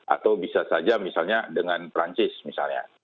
atau bisa saja misalnya dengan perancis misalnya